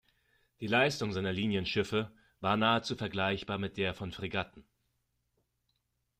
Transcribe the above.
Die Leistung seiner Linienschiffe war nahezu vergleichbar mit der von Fregatten.